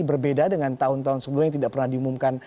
berbeda dengan tahun tahun sebelumnya yang tidak pernah diumumkan